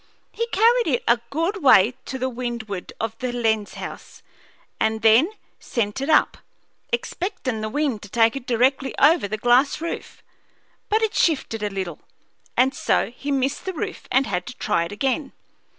He carried it a good way to the windward of the lens house, and then sent it up, expectin' the wind to take it directly over the glass roof, but it shifted a little, and so he missed the roof and had to try it again.